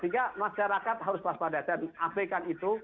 sehingga masyarakat harus waspada dan apekan itu